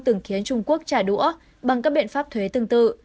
từng khiến trung quốc trả đũa bằng các biện pháp thuế tương tự